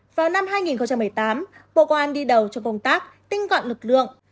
vào năm hai nghìn một mươi tám bộ công an đi đầu cho công tác tinh gọn lực lượng